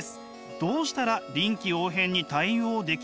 どうしたら臨機応変に対応できますか？」。